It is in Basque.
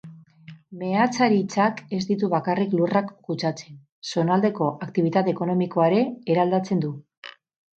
Meatzaritzak ez ditu bakarrik lurrak kutsatzen, zonaldeko aktibitate ekonomikoa ere eraldatzen du.